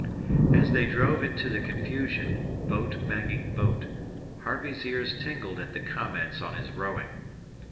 As they drove into the confusion, boat banging boat, Harvey's ears tingled at the comments on his rowing.